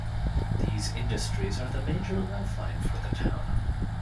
These industries are the major lifeline for the town.